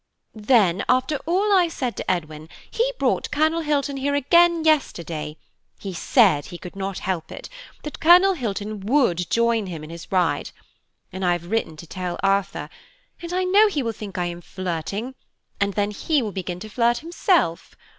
"Then, after all I said to Edwin, he brought Colonel Hilton here again yesterday; he said he could not help it, that Colonel Hilton would join him in his ride, and I have written to tell Arthur, and I know he will think I am flirting, and then he will begin to flirt himself.